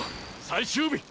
最終日！！